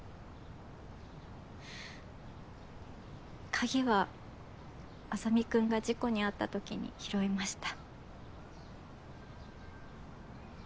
鍵は莇君が事故に遭ったときに拾いました。